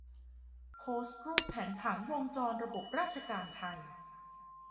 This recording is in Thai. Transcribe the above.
โพสรูปแผนผังวงจรระบบราชการไทย